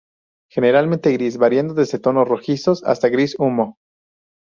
Generalmente gris, variando desde tonos rojizos hasta el gris humo.